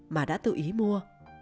mà đã tự ý mua